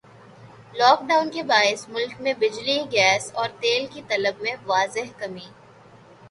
lock Dawn کے باعث ملک میں بجلی گیس اور تیل کی طلب میں واضح کمی